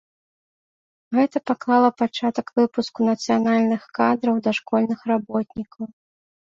Гэта паклала пачатак выпуску нацыянальных кадраў дашкольных работнікаў.